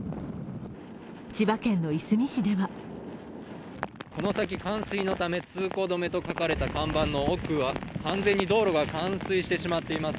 千葉県のいすみ市ではこの先冠水のため通行止めと書かれた看板の奥は完全に道路が冠水してしまっています。